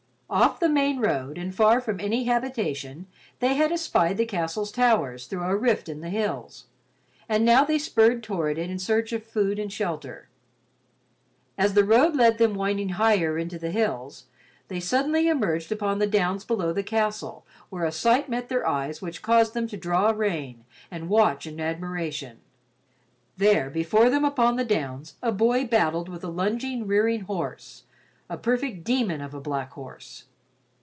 Off the main road and far from any habitation, they had espied the castle's towers through a rift in the hills, and now they spurred toward it in search of food and shelter. As the road led them winding higher into the hills, they suddenly emerged upon the downs below the castle where a sight met their eyes which caused them to draw rein and watch in admiration. There, before them upon the downs, a boy battled with a lunging, rearing horse—a perfect demon of a black horse.